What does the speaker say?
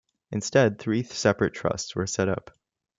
Instead, three separate Trusts were set up.